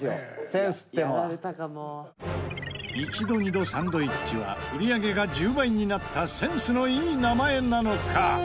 いちどにどサンドイッチは売り上げが１０倍になったセンスのいい名前なのか？